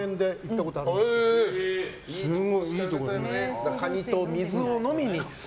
じゃあカニと水を飲みに。